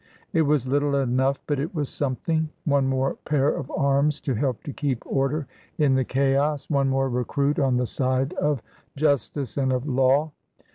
It was little enough, but it was something. One more pair of arms to help to keep order in the chaos, one more recruit on the side of justice and of law.